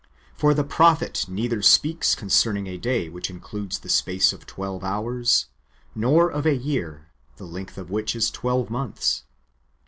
For the prophet neither speaks concerning a day which inckides the space of twelve hours, nor of a year the length of which is twelve months.